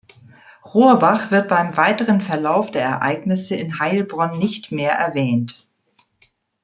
Rohrbach wird beim weiteren Verlauf der Ereignisse in Heilbronn nicht mehr erwähnt.